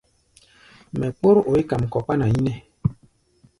Mɛ kpór oí kam kɔ kpána yínɛ́.